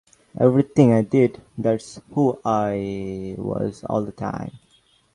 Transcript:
Everything I did -- that's who I was all the time.